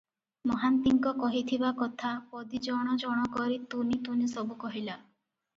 ମହାନ୍ତିଙ୍କ କହିଥିବା କଥା ପଦୀ ଜଣ ଜଣ କରି ତୁନି ତୁନି ସବୁ କହିଲା ।